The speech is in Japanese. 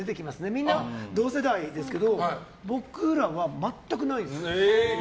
みんな同世代ですけど僕らは全くないです。